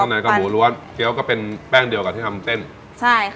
ไหนกับหมูรั้วเกี้ยวก็เป็นแป้งเดียวกับที่ทำเต้นใช่ค่ะ